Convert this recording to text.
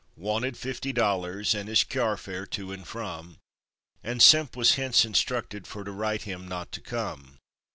Wanted fifty dollars, and his kyar fare to and from, And Simp was hence instructed fer to write him not to come.